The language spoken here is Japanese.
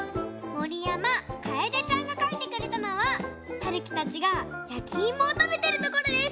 もりやまかえでちゃんがかいてくれたのははるきたちがやきいもをたべてるところです！